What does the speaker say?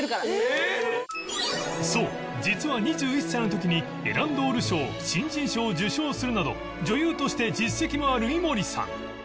そう実は２１歳の時にエランドール賞新人賞を受賞するなど女優として実績もある井森さん